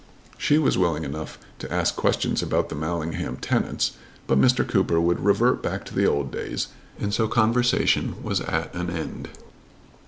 She was willing enough to ask questions about the Mallingham tenants; but Mr. Cooper would revert back to the old days, and so conversation was at an end.